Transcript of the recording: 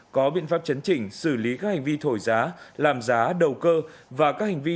có biện pháp chấn chỉnh xử lý các hành vi thổi giá làm giá đầu cơ và các hành vi